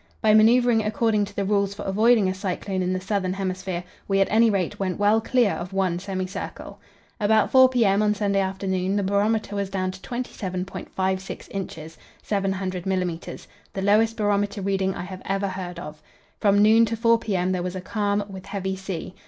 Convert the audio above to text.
By manoeuvring according to the rules for avoiding a cyclone in the southern hemisphere, we at any rate went well clear of one semicircle. About 4 p.m. on Sunday afternoon the barometer was down to 27.56 inches (700 millimetres), the lowest barometer reading I have ever heard of. From noon to 4 p.m. there was a calm, with heavy sea.